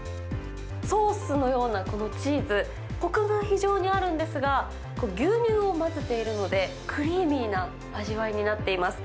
ソースのようなこのチーズ、こくが非常にあるんですが、牛乳を混ぜているので、クリーミーな味わいになっています。